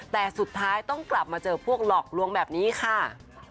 แต่สุดท้ายต้องกลับมาเจอพวกหลอกลวงแบบนี้ค่ะ